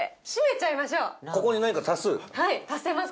はい足せます